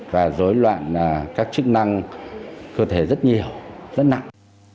và dối loạn các chức năng cơ thể rất nhiều rất nặng